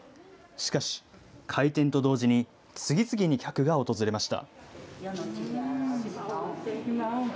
しかし、開店と同時に、次々に客が訪れました。